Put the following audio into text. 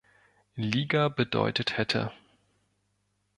Liga bedeutet hätte.